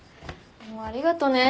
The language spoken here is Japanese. もうありがとね。